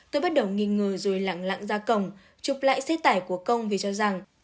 tôi bắt đầu nghi ngờ rồi lặng lặng ra cổng chụp lại xe tải của công vì cho rằng